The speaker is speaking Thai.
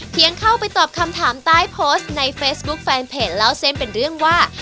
เข้าไปตอบคำถามใต้โพสต์ในเฟซบุ๊คแฟนเพจเล่าเส้นเป็นเรื่องว่า